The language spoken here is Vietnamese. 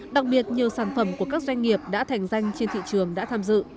đặc biệt nhiều sản phẩm của các doanh nghiệp đã thành danh trên thị trường đã tham dự